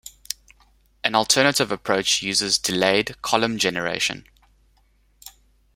An alternative approach uses delayed column-generation.